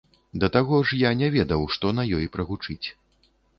Да таго ж, я не ведаў, што на ёй прагучыць.